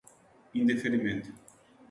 indeferimento